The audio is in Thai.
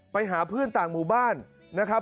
ไปหาเพื่อนต่างหมู่บ้านนะครับ